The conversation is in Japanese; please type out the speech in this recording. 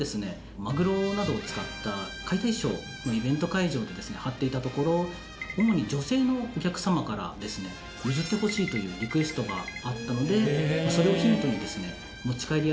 マグロなどを使った解体ショーのイベント会場で張っていたところ主に女性のお客さまから譲ってほしいというリクエストがあったのでそれをヒントにですね。